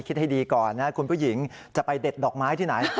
คิดให้ดีก่อนนะคุณผู้หญิงจะไปเด็ดดอกไม้ที่ไหน